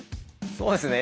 そうですね